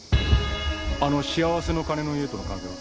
あのしあわせの鐘の家との関係は？